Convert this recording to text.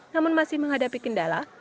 namun masih menghadapi kendala